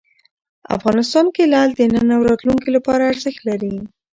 افغانستان کې لعل د نن او راتلونکي لپاره ارزښت لري.